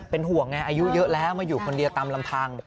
เป็นห่วงไงอายุเยอะแล้วมาอยู่คนเดียวตามลำพัง